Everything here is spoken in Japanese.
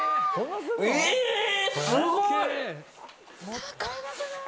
すごーい！